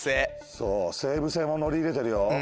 そう西武線も乗り入れてるよ。